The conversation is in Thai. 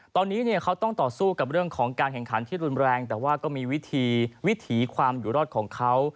ตอนนี้เนี่ยเขาต้องต่อสู้กับเรื่องของการแข่งขันที่รุนแรงแต่ว่าก็มีวิธีวิถีความอยู่รอดของเขา